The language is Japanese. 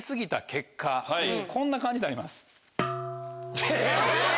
こんな感じになります。